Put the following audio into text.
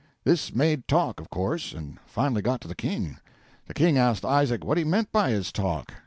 This made talk, of course, and finally got to the King. The King asked Isaac what he meant by his talk.